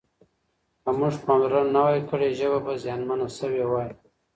که موږ پاملرنه نه وای کړې ژبه به زیانمنه سوې وای.